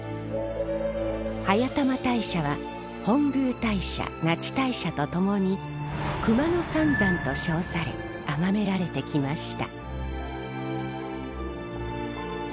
速玉大社は本宮大社那智大社と共に熊野三山と称されあがめられてきました。